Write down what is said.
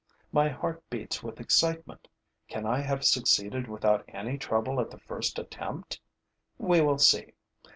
My heart beats with excitement. Can I have succeeded without any trouble at the first attempt? We will see.